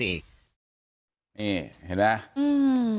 เนี้ยเห็นไหม